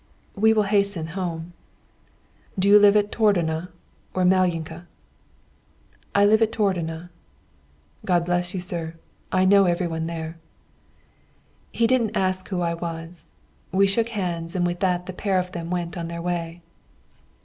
"We will hasten home." "Do you live at Tordona, or at Malyinka?" "I live at Tordona." "God bless you, sir. I know every one there." He didn't ask who I was. We shook hands, and with that the pair of them went on their way.